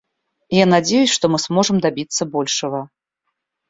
Я надеюсь, что мы сможем добиться большего.